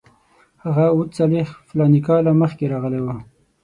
هغه اوه څلوېښت فلاني کاله مخکې راغلی وو.